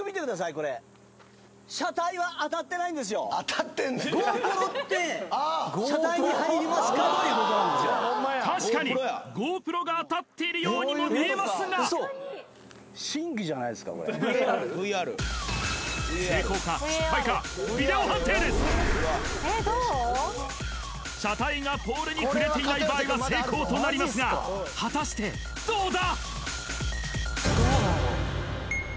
これ確かにゴープロがあたっているようにも見えますが成功か失敗か車体がポールに触れていない場合は成功となりますが果たしてどうだ？